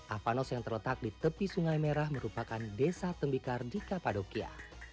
avanos yang terletak di tepi sungai merah merupakan desa tembikar di kapadokia